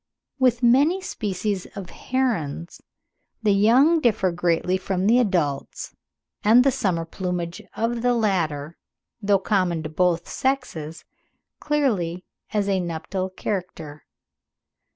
With many species of herons the young differ greatly from the adults; and the summer plumage of the latter, though common to both sexes, clearly has a nuptial character.